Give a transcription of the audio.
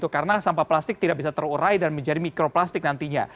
karena sampah plastik tidak bisa terurai dan menjadi mikroplastik nantinya